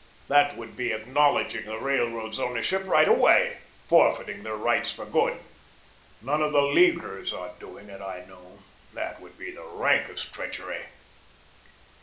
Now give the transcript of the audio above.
That would be acknowledging the railroad's ownership right away forfeiting their rights for good. None of the LEAGUERS are doing it, I know. That would be the rankest treachery."